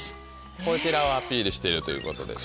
こちらをアピールしているということで。